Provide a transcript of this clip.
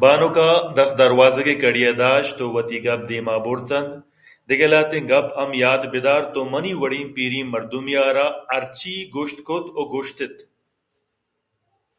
بانک ءَ دست دروازگ ءِ کڑی ءَ داشت ءُوتی گپ دیم ءَ برت اَنت دگہ لہتیں گپ ہم یات بہ دار تو منی وڑیں پیریں مردمے ءَ را ہرچی گوٛشت کُت ءُگوٛشت اِت